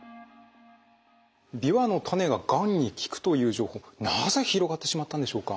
ビワの種ががんに効くという情報なぜ広がってしまったんでしょうか？